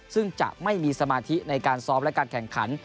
ซึ่งจะไม่มีสมาธิในการซ้อมและการแข่งขัน